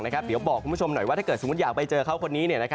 เดี๋ยวบอกคุณผู้ชมหน่อยว่าถ้าเกิดสมมุติอยากไปเจอเขาคนนี้